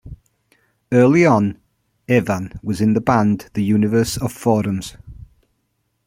Early on, Evan was in the band The Universe of Forums.